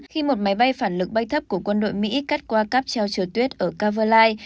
khi một máy bay phản lực bay thấp của quân đội mỹ cắt qua cắp treo trừa tuyết ở caverly